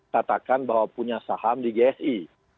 katakan bahwa punya saham di gsi